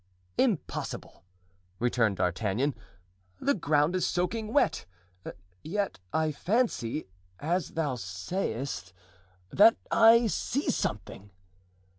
"Impossible!" returned D'Artagnan. "The ground is soaking wet; yet I fancy, as thou sayest, that I see something."